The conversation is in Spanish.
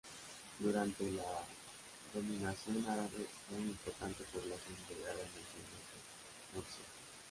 Durante la dominación árabe fue una importante población integrada en el Reino de Murcia.